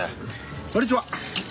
こんにちは！